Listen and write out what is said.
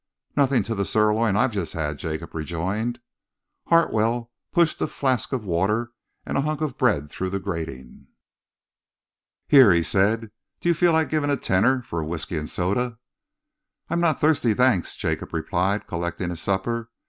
"Nothing to the sirloin I've just had," Jacob rejoined. Hartwell pushed a flask of water and a hunk of bread through the grating. "Here," he said, "do you feel like giving a tenner for a whisky and soda?" "I'm not thirsty, thanks," Jacob replied, collecting his supper.